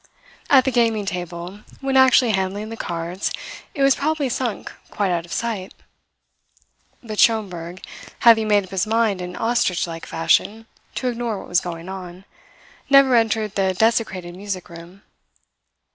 At the gaming table, when actually handling the cards, it was probably sunk quite out of sight; but Schomberg, having made up his mind in ostrich like fashion to ignore what was going on, never entered the desecrated music room.